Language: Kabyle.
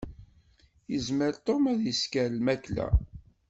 Yezmer Tom ad isker lmakla.